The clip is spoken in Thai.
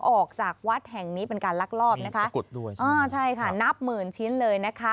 ออกจากวัดแห่งนี้เป็นการลักลอบนับหมื่นชิ้นเลย